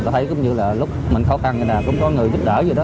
thấy cũng như là lúc mình khó khăn thì nào cũng có người giúp đỡ vậy đó